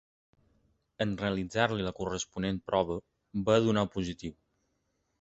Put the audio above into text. En realitzar-li la corresponent prova, va donar positiu.